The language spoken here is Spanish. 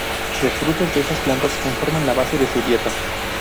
Los frutos de estas plantas conforman la base de su dieta.